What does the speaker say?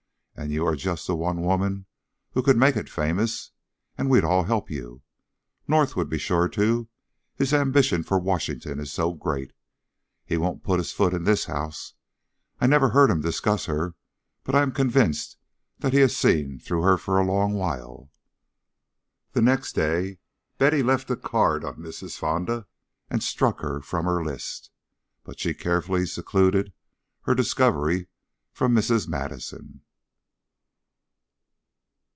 And you are just the one woman who could make it famous; and we'd all help you. North would be sure to, his ambition for Washington is so great. He won't put his foot in this house. I never heard him discuss her, but I am convinced that he has seen through her for a long while." The next day Betty left a card on Mrs. Fonda and struck her from her list; but she carefully secluded her discovery from Mrs. Madison.